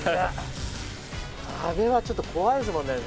壁はちょっと怖いですもんね。